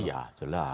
oh ya jelas